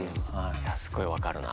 いやすごい分かるな。